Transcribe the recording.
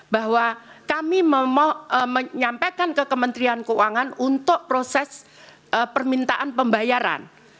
bahwa kami menyampaikan ke kementerian keuangan untuk proses permintaan pembayaran